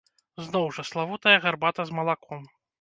Зноў жа, славутая гарбата з малаком.